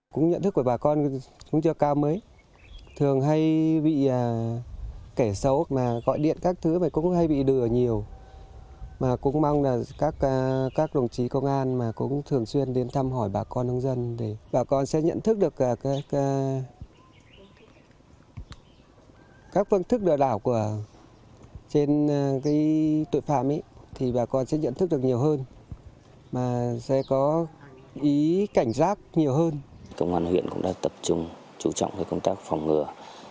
công an huyện cũng đã tập trung chú trọng công tác phòng ngừa